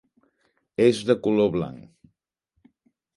És de color blanc.